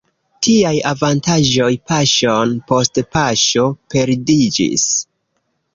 Tiaj avantaĝoj paŝon post paŝo perdiĝis.